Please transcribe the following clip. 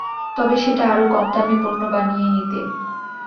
তবে সেটা আরও কম দামে পণ্য বানিয়ে নিতে।